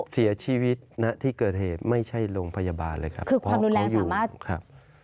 เสียชีวิตที่เกิดเหตุไม่ใช่โรงพยาบาลเลยครับ